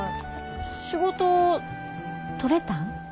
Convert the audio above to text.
仕事取れたん？